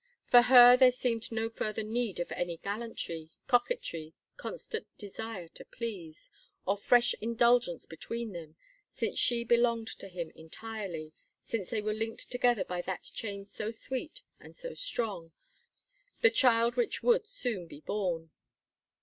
For her there seemed no further need of any gallantry, coquetry, constant desire to please, or fresh indulgence between them, since she belonged to him entirely, since they were linked together by that chain so sweet and so strong the child which would soon be born.